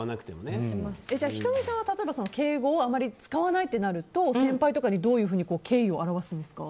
仁美さんは敬語をあまり使わないとなると先輩とかにどういうふうに敬意を表すんですか？